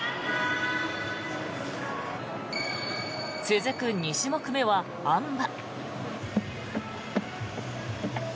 続く２種目目はあん馬。